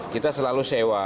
kita selalu sewa